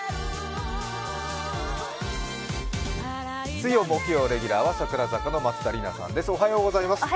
水曜、木曜、レギュラーは桜坂の松田里奈さんです。